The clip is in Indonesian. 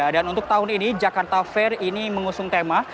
dan untuk tahun ini jakarta fair ini mengusung tema